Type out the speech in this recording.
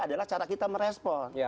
adalah cara kita merespon